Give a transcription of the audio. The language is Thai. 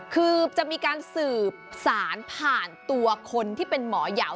คือจะมีการสืบสารผ่านตัวคนที่เป็นหมอยาว